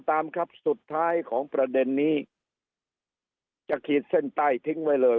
ตามครับสุดท้ายของประเด็นนี้จะขีดเส้นใต้ทิ้งไว้เลย